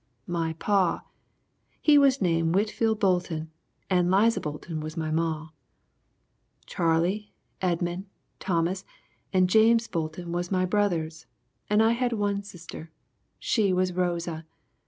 My paw, he was name Whitfield Bolton and Liza Bolton was my maw. Charlie, Edmund, Thomas and John Bolton was my brothers and I had one sister, she was Rosa.